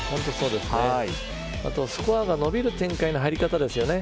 あとスコアが伸びる展開の入り方ですよね。